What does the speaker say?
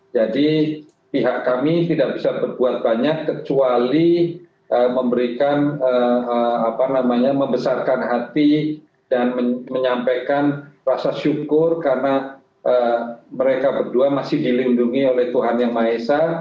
jadi pihak kami tidak bisa berbuat banyak kecuali memberikan apa namanya membesarkan hati dan menyampaikan rasa syukur karena mereka berdua masih dilindungi oleh tuhan yang maha esa